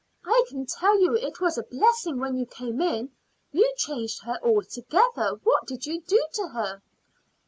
I can tell you it was a blessing when you came in. You changed her altogether. What did you do to her?"